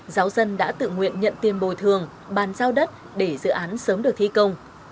giáo dân đã tự nguyện nhận tiền bồi thường bàn giao đất để dự án sớm được thi công